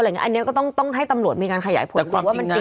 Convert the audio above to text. อย่างเงี้ยอันเนี้ยก็ต้องต้องให้ตำลวดมีการขยายผลหรือว่ามันจริง